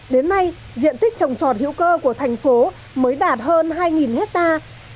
đến nay diện tích trồng trọt hữu cơ của thành phố mới đạt hơn hai hectare